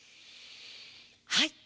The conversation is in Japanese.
はい。